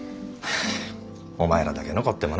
あお前らだけ残ってもな。